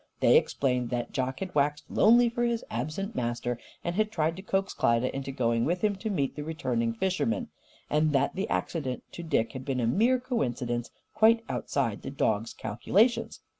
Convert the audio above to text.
They explained that Jock had waxed lonely for his absent master and had tried to coax Klyda into going with him to meet the returning fisherman, and that the accident to Dick had been a mere coincidence, quite outside the dog's calculations.